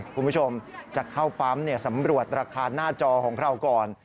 คุณผู้ชมจะเข้าปั๊มสำรวจราคาหน้าจอของเราก่อน